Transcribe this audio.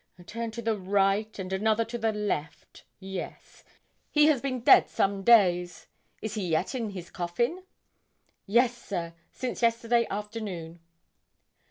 A turn to the right and another to the left yes. He has been dead some days. Is he yet in his coffin?' 'Yes, sir; since yesterday afternoon.'